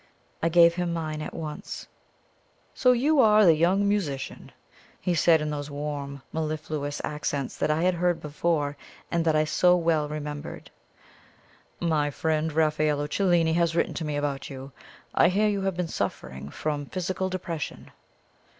I gave him mine at once. "So you are the young musician?" he said, in those warm mellifluous accents that I had heard before and that I so well remembered. "My friend Raffaello Cellini has written to me about you. I hear you have been suffering from physical depression?"